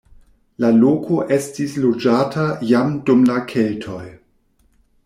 La loko estis loĝata jam dum la keltoj.